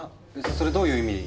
それどういう意味？